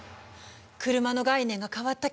車の概念が変わった近未来。